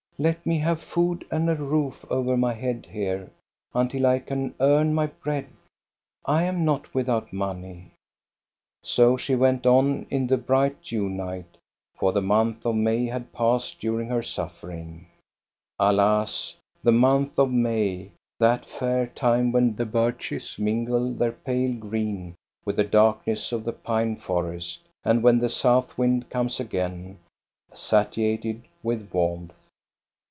" Let me have food and a roof over my head here, until I can earn my bread. I am not without money." So she went on in the bright June night, for the month of May had passed during her suffering. Alas, the month of May, that fair time when the birches mingle their pale green with the darkness of the pine forest, and when the south wind comes again satiated with warmth.